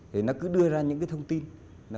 thì nó cứ đưa ra những cái thông tin